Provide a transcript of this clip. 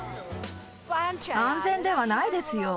安全ではないですよ。